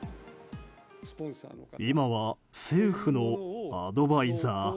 今は政府のアドバイザー。